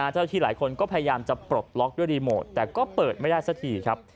เจ้าที่หลายคนก็พยายามจะปลดล็อกด้วยรีโมทแต่ก็เปิดไม่ได้สักทีครับ